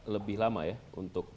lebih lama ya untuk